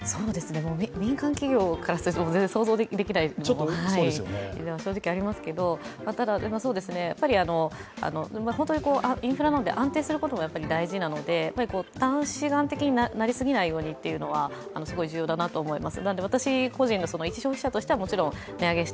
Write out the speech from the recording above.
民間企業からすると、全然想像できないというのは正直ありますけど、本当にインフラなんで安定することも大事なので、単視眼的になるといけないですが、すごい重要だなと思います。